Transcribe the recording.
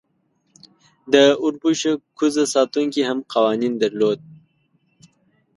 د اوربشو کوزه ساتونکی هم قوانین درلودل.